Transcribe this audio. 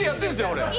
俺。